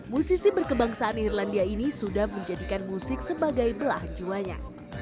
musisi berkebangsaan irlandia ini sudah menjadikan musik sebagai belah juanya